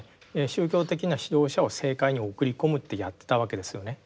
宗教的な指導者を政界に送り込むってやってたわけですよね。